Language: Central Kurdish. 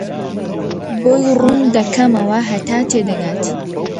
بۆی ڕوون دەکەمەوە هەتا تێدەگات.